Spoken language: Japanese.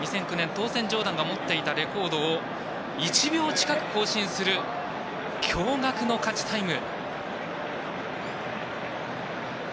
トーセンジョーダンが持っていたレコードを１秒近く更新する驚がくの勝ちタイム。